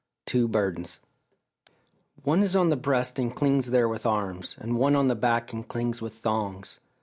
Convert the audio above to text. TWO BURDENS One is on the breast and clings there with arms, and one on the back and clings with thongs.